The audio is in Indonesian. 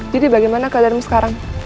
jadi bagaimana keadaanmu sekarang